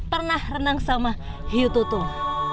pernah renang sama hiu tutul